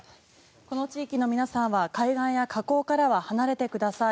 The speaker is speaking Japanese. この地域の皆さんは海岸や河口からは離れてください。